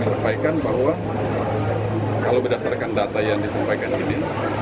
saya sampaikan bahwa kalau berdasarkan data yang disampaikan ini